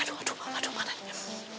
aduh aduh aduh mana dia